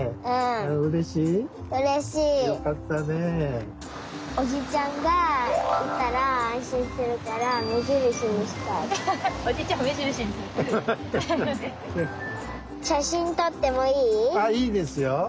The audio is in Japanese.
あいいですよ。